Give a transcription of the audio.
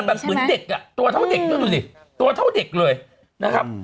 แบบเหมือนเด็กอ่ะตัวเท่าเด็กด้วยดูสิตัวเท่าเด็กเลยนะครับ